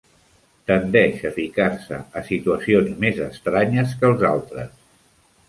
Tendeix a ficar-se a situacions més estranyes que els altres.